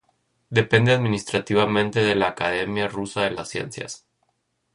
Depende administrativamente de la Academia rusa de las Ciencias.